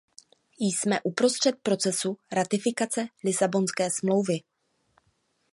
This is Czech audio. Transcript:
Jsme uprostřed procesu ratifikace Lisabonské smlouvy.